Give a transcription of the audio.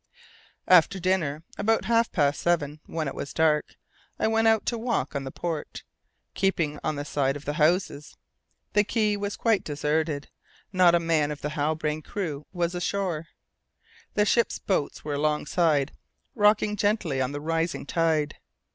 After dinner, about half past seven, when it was dark, I went out to walk on the port, keeping on the side of the houses. The quay was quite deserted; not a man of the Halbrane's crew was ashore. The ship's boats were alongside, rocking gently on the rising tide.